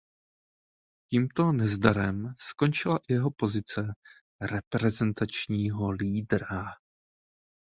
Tímto nezdarem skončila i jeho pozice reprezentačního lídra.